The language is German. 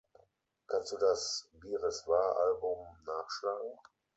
Kannst du das Bireswar-Album nachschlagen?